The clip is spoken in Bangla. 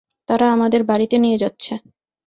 তারা আমাদের বাড়িতে নিয়ে যাচ্ছে।